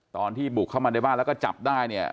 ตอนที่บุกเข้ามาในบ้านแล้วก็จับได้เนี่ย